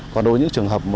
còn đối với những trường hợp